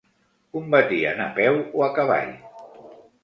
Combatien a peu o a cavall.